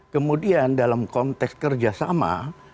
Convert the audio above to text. kemudian dalam konteks kerjasama